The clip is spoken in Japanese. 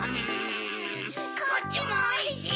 こっちもおいしい！